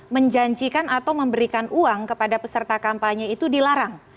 menjanjikan atau memberikan uang kepada peserta kampanye itu dilarang